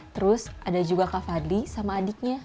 terus ada juga kak fadli sama adiknya